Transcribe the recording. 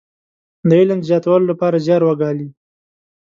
د علم د زياتولو لپاره زيار وګالي.